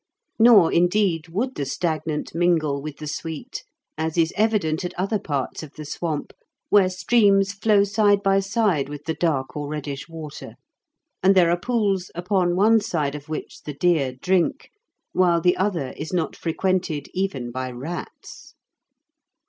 Nor, indeed, would the stagnant mingle with the sweet, as is evident at other parts of the swamp, where streams flow side by side with the dark or reddish water; and there are pools, upon one side of which the deer drink, while the other is not frequented even by rats.